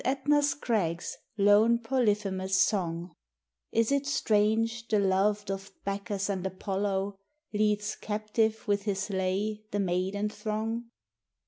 Etna's crags, lone Poiyphemus's song: Is 't strange the loved of Bacchus and Apollo Leads captive with his lay the maiden throng?